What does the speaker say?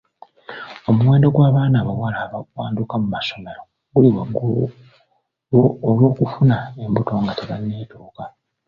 Omuwendo gw'abaana abawala abawanduka mu ssomero guli waggulu olw'okufuna embuto nga tebanneetuuka.